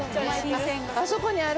あそこにある！